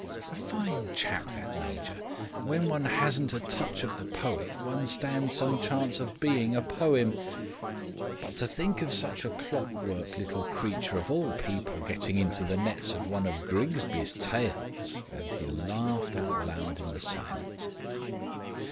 "A fine chap, that Major; when one hasn't a touch of the poet one stands some chance of being a poem. But to think of such a clockwork little creature of all people getting into the nets of one of Grigsby's tales," and he laughed out aloud in the silence.